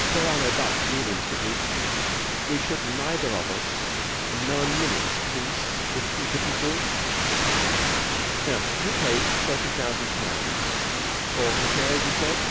"There are no buts, really, Mr. Bleke. We should neither of us know a minute's peace if we didn't do it. Now, you paid thirty thousand pounds for the shares, you said?